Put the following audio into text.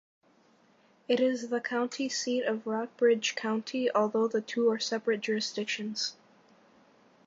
It is the county seat of Rockbridge County, although the two are separate jurisdictions.